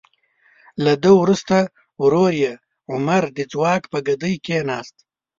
له ده وروسته ورور یې عمر د ځواک په ګدۍ کیناست.